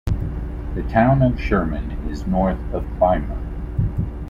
The town of Sherman is north of Clymer.